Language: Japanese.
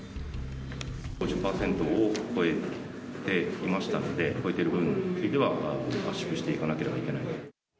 ５０％を超えていましたので、超えてる部分については、圧縮していかなければいけない。